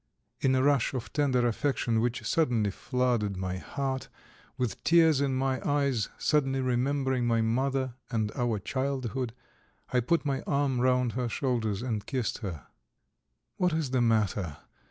In a rush of tender affection which suddenly flooded my heart, with tears in my eyes, suddenly remembering my mother and our childhood, I put my arm round her shoulders and kissed her. "What is the matter?"